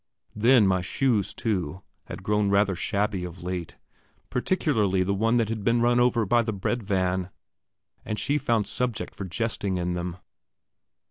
Then my shoes, too, had grown rather shabby of late, particularly the one that had been run over by the bread van, and she found subject for jesting in them.